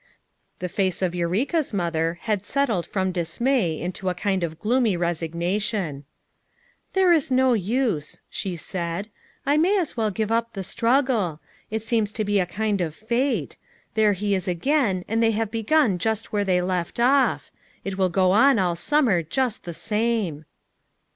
The face of Eureka's mother had settled from dismay into a kind of gloomy resignation. 1 ' There is no use, '' she said. l i I may as well give up the struggle; it seems to be a kind of fate; there he is again and they have begun just where they left off; it will go on all sum mer just the same."